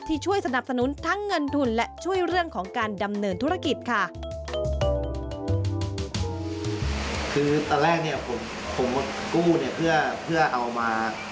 ช่วยสนับสนุนทั้งเงินทุนและช่วยเรื่องของการดำเนินธุรกิจค่ะ